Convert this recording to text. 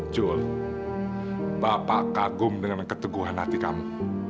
jul bapak kagum dengan keteguhan hati kamu